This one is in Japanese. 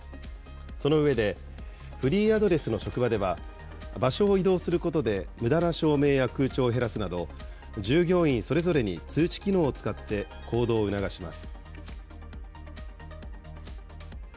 その上で、フリーアドレスの職場では場所を移動することで、むだな照明や空調を減らすなど、従業員それぞれに通知機能を使って、行動を促します。